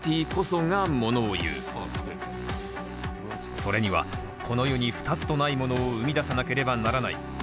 それにはこの世に二つとないものを生み出さなければならない。